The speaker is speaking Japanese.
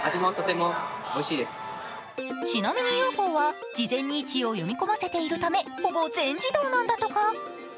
ちなみにＵＦＯは事前に位置を読み込ませているためほぼ全自動なんだとか。